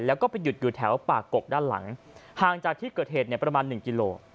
แล้วก็ไปหยุดอยู่แถวปากกกด้านหลังห่างจากที่เกิดเหตุประมาณ๑กิโล